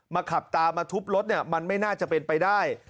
ขับตามมาทุบรถเนี่ยมันไม่น่าจะเป็นไปได้